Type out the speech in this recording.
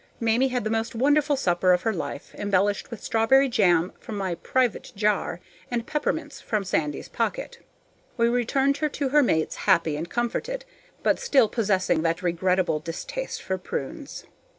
Mamie had the most wonderful supper of her life, embellished with strawberry jam from my private jar and peppermints from Sandy's pocket. We returned her to her mates happy and comforted, but still possessing that regrettable distaste for prunes.